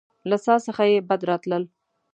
له څاه څخه يې بد راتلل.